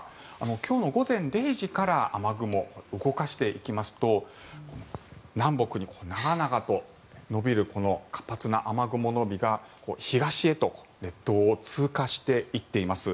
今日の午前０時から雨雲、動かしていきますと南北に長々と延びる活発な雨雲の帯が東へと列島を通過していっています。